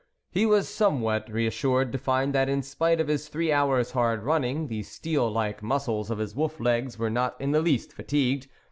He was somewhat re assured to find that, in spite of his three hours' hard running, the steel like mus cles of his wolf legs were not in the least fatigued.